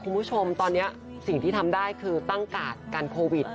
คุณผู้ชมตอนนี้สิ่งที่ทำได้คือตั้งกาดกันโควิด